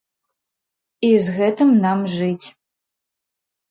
І з гэтым нам жыць.